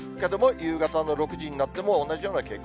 夕方の６時になっても同じような傾向。